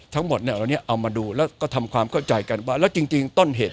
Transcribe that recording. ทั้งหมดเนี่ยเราเนี่ยเอามาดูแล้วก็ทำความเข้าใจกันว่าแล้วจริงต้นเหตุ